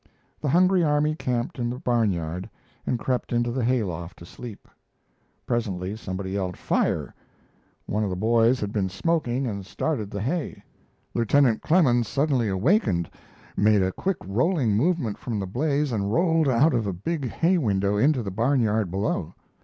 The hungry army camped in the barnyard and crept into the hay loft to sleep. Presently somebody yelled "Fire!" One of the boys had been smoking and started the hay. Lieutenant Clemens suddenly wakened, made a quick rolling movement from the blaze, and rolled out of a big hay window into the barnyard below.